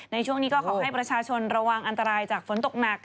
ในช่วงนี้ก็ขอให้ประชาชนระวังอันตรายจากฝนตกหนัก